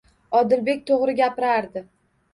Odilbek to'g'ri gapirardi